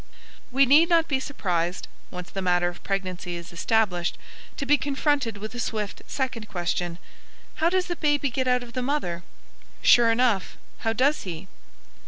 We need not be surprised, once the matter of pregnancy is established, to be confronted with a swift second question, "How does the baby get out of the mother?" Sure enough, how does he?